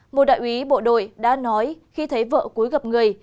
một đại úy bộ đội đã nói khi thấy vợ cuối gặp người